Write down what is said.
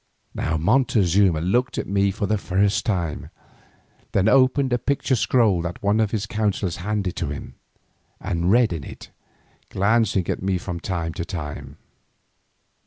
Now Montezuma looked at me for the first time, then opened a picture scroll that one of the counsellors handed to him, and read in it, glancing at me from time to time.